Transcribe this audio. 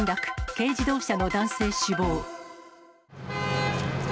軽自動車の男性死亡。